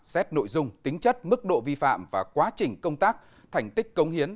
xét nội dung tính chất mức độ vi phạm và quá trình công tác thành tích công hiến